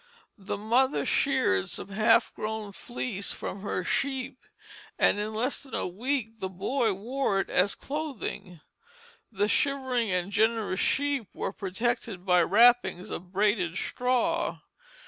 The mother sheared some half grown fleece from her sheep, and in less than a week the boy wore it as clothing. The shivering and generous sheep were protected by wrappings of braided straw.